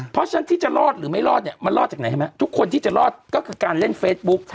เพราะฉะนั้นที่จะรอดหรือไม่รอดเนี่ยมันรอดจากไหนใช่ไหมทุกคนที่จะรอดก็คือการเล่นเฟซบุ๊ก